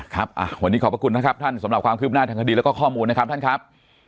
ครับวันนี้ขอบพระคุณนะครับท่านสำหรับความคืบหน้าทางคดีแล้วก็ข้อมูลนะครับท่านครับ